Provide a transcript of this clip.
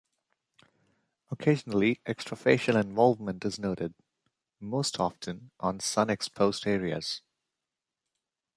Occasionally, extrafacial involvement is noted, most often on sun-exposed areas.